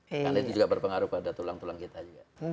karena itu juga berpengaruh pada tulang tulang kita juga